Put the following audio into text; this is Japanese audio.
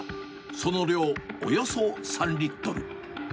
その量、およそ３リットル。